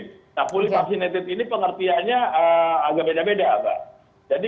nah fully vaccinated ini pengertiannya agak beda beda pak